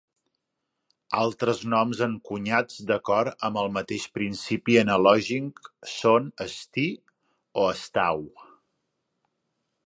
Altres noms encunyats d'acord amb el mateix principi analògic són "sti" o "stau".